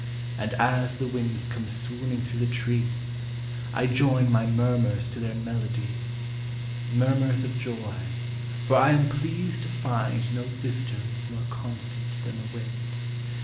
And as the winds come swooning through the trees, I join my murmurs to their melodies ; Murmurs of joy, â for I am pleased to find No visitors more constant than the wind : POEMS.